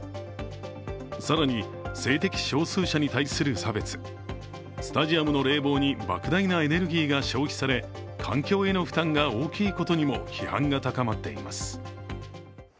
更に、性的少数者に対する差別スタジアムの冷房にばく大なエネルギーが消費され環境への負担が大きいことにも批判が高まっています。